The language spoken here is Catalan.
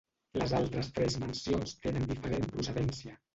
Les altres tres mencions tenen diferent procedència.